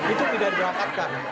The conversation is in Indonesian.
itu tidak diberangkatkan